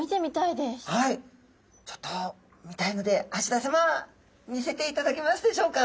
はいちょっと見たいので蘆田さま見せていただけますでしょうか。